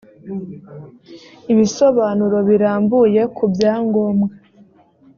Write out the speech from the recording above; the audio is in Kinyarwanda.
ibisobanuro birambuye ku byangombwa